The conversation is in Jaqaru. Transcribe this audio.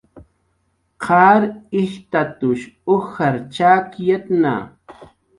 Qar ijtatush ujar chakyatna